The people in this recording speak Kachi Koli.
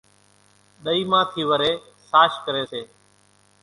ۮئِي مان ٿِي وريَ ساش ڪريَ سي۔